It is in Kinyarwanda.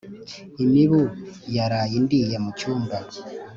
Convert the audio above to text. imibu yaraye indiriye mu cyumba